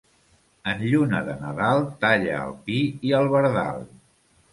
En lluna de Nadal, talla el pi i el verdal.